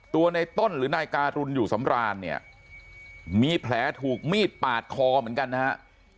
ในต้นหรือนายการุณอยู่สำรานเนี่ยมีแผลถูกมีดปาดคอเหมือนกันนะฮะ